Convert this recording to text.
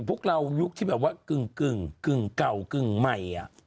พวกเรายุคที่กึ่งเก่าใหม่